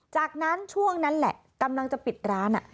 จากนั้นช่วงนั้นแหละกำลังจะปิดร้าน